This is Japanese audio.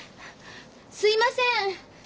すいません。